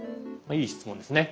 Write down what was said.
いい質問ですね。